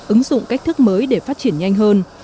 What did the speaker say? ứng dụng cách thức mới để phát triển nhanh hơn